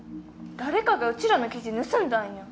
誰かがうちらの記事盗んだんや。